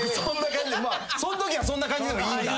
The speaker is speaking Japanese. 僕そんな感じま